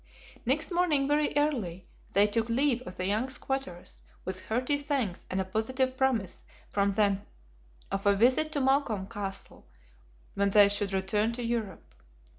Next morning very early, they took leave of the young squatters, with hearty thanks and a positive promise from them of a visit to Malcolm Castle when they should return to Europe.